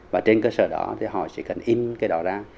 và trên cơ sở đó thì họ sẽ cần in cái đó ra